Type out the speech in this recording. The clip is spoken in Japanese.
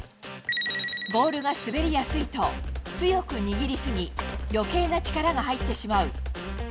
ボールが滑りやすいと、強く握り過ぎ、よけいな力が入ってしまう。